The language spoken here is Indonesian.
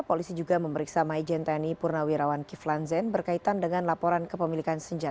polisi juga memeriksa maijen tni purnawirawan kiflan zen berkaitan dengan laporan kepemilikan senjata